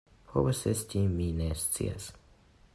Povas esti, mi ne scias.